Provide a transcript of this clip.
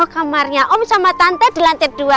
kamarnya om sama tante di lantai dua